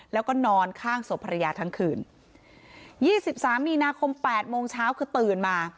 แล้วก็นอนข้างศพภรรยาทั้งคืนยี่สิบสามมีนาคมแปดโมงเช้าคือตื่นมา